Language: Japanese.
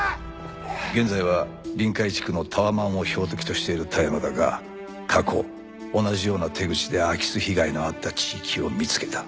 現在は臨海地区のタワマンを標的としている田山だが過去同じような手口で空き巣被害のあった地域を見つけた。